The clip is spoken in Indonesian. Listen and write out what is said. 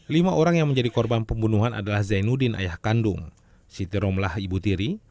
lima orang yang menjadi korban pembunuhan adalah zainuddin ayah kandung siti romlah ibu tiri